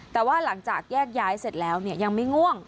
แต่ว่าหลังจากแยกย้ายเสร็จแล้วยังไม่ง่วง